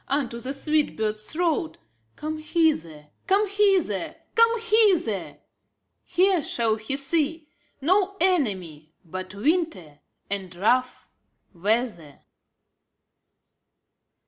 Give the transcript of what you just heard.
^^ Unto the sweet bird's throat, """" Come hither, come hither, come hither! Here shall he see No enemy But winter and rough weather.